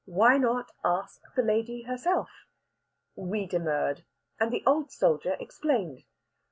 Why not ask the lady herself? We demurred, and the old soldier explained.